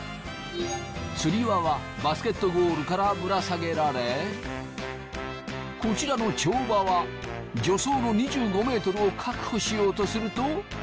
吊り輪はバスケットゴールからぶら下げられこちらの跳馬は助走の２５メートルを確保しようとすると。